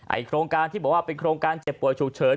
โครงการที่บอกว่าเป็นโครงการเจ็บป่วยฉุกเฉิน